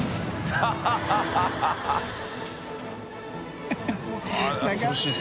ハハハ